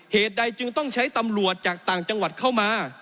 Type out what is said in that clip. เหตุใดจึงต้องใช้ตำรวจจากต่างจังหวัดเข้ามา